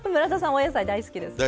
お野菜大好きですもんね。